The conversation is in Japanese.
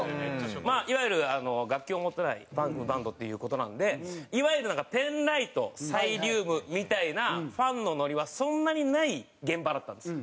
まあいわゆる楽器を持たないパンクバンドっていう事なんでいわゆるペンライトサイリウムみたいなファンのノリはそんなにない現場だったんです。